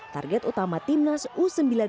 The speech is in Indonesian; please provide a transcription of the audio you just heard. target utama timnas u sembilan belas